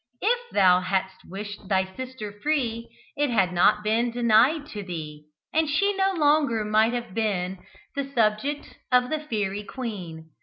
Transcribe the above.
If thou had'st wished thy sister free, It had not been denied to thee; And she no longer might have been The subject of the Fairy Queen.